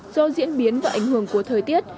do diễn biến và ảnh hưởng của thời tiết